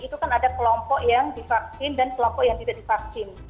itu kan ada kelompok yang divaksin dan kelompok yang tidak divaksin